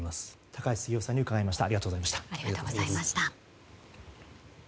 高橋杉雄さんに伺いました。